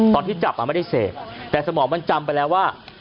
ตอนที่จับไม่ได้เสพแต่สมองมันจำไปแล้วว่า